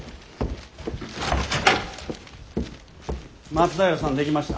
松平さん出来ました。